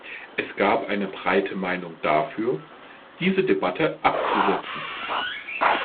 Es gab eine breite Meinung dafür, diese Debatte abzusetzen.